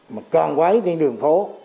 mà con quái đi đường phố